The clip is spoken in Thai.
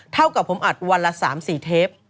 เท่ากับผมอัดวันละสามสี่เทป